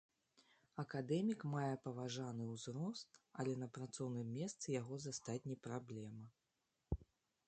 Акадэмік мае паважаны ўзрост, але на працоўным месцы яго застаць не праблема.